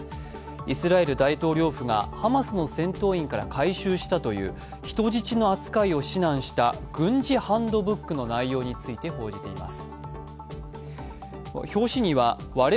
イスラエル大統領府がハマスの戦闘員から回収したという人質の扱いを指南した軍事ハンドブックの内容について報じています。